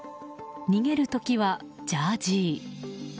逃げる時はジャージー。